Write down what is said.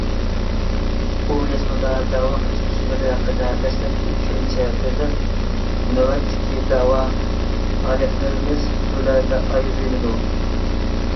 بۇ يازمىدا دەۋا قىلىش ئۇسۇللىرى ھەققىدە دەسلەپكى چۈشەنچە بېرىلىپ، نۆۋەتتىكى دەۋا پائالىيەتلىرىمىز تۈرلەرگە ئايرىلىدۇ.